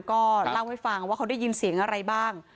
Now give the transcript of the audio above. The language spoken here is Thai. ก็เล่าให้ฟังว่าเขาได้ยินเสียงอะไรบ้าง